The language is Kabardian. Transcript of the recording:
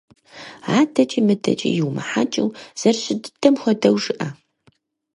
АдэкӀи мыдэкӀи йумыхьэкӀыу, зэрыщыт дыдэм хуэдэу жыӏэ.